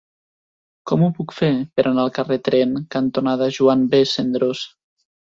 Com ho puc fer per anar al carrer Tren cantonada Joan B. Cendrós?